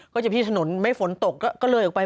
จะพี่ถนนไม่ฝนตกก็เลยออกไป